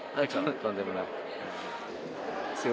とんでもない。